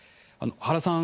原さん